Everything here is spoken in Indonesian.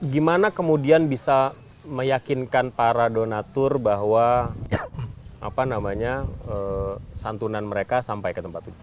gimana kemudian bisa meyakinkan para donatur bahwa santunan mereka sampai ke tempat itu